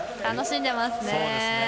楽しんでます。